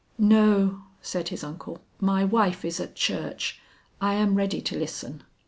"No," said his uncle, "my wife is at church; I am ready to listen."